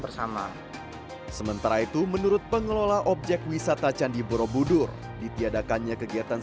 tersangka sementara itu menurut pengelola objek wisata candi borobudur ditiadakannya kegiatan